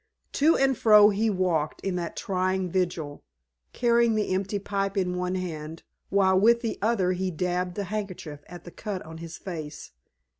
To and fro he walked in that trying vigil, carrying the empty pipe in one hand while, with the other, he dabbed the handkerchief at the cut on his face.